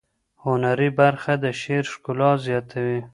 هنري برخه د شعر ښکلا زیاتوي.